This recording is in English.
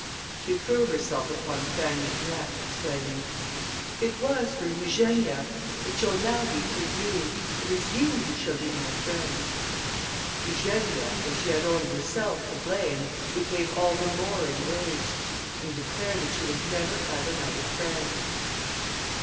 She threw herself upon Fanny's neck, exclaiming, "It was for Eugenia, it shall now be for you. It is you who shall be my friend." Eugenia, as she had only herself to blame, became all the more enraged, and declared that she would never have another friend.